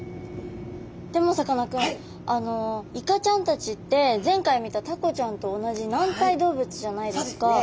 でもさかなクンイカちゃんたちって前回見たタコちゃんと同じ軟体動物じゃないですか。